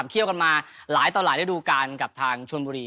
เที่ยวกันมาหลายต่อหลายระดูการกับทางชนบุรี